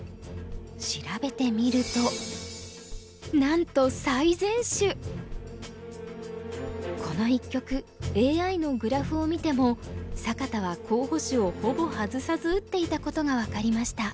調べてみるとなんとこの一局ＡＩのグラフを見ても坂田は候補手をほぼ外さず打っていたことが分かりました。